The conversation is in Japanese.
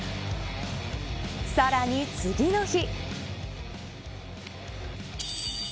さらに次の日。